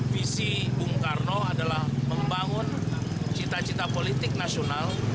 visi bung karno adalah membangun cita cita politik nasional